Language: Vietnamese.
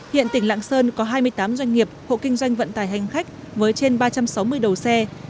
hiện tỉnh lạng sơn có hai mươi tám doanh nghiệp hộ kinh doanh vận tải hành khách với trên ba trăm sáu mươi đầu xe